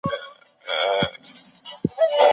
که غوړي ډېر ځله تود سي نو زهرجن کیږي.